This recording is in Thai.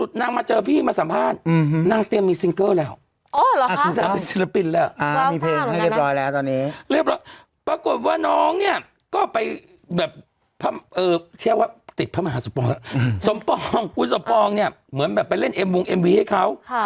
ธรรมชาติแต่พอคนมันเยอะแบบนี้เข้า